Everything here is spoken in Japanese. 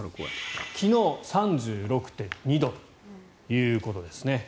昨日、３６．２度ということですね。